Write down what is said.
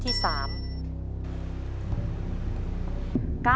ฮาวะละพร้อม